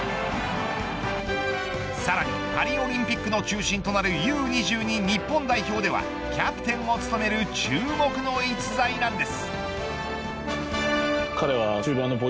さらにパリオリンピックの中心となるＵ‐２２日本代表ではキャプテンを務める注目の逸材なんです。